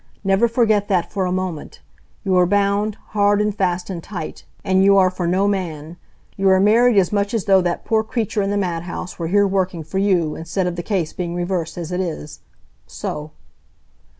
"Never forget that for a moment. You are bound, hard and fast and tight. And you are for no man. You are married as much as though that poor creature in the mad house were here working for you, instead of the case being reversed as it is. So."